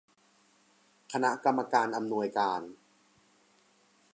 คณะกรรมการอำนวยการ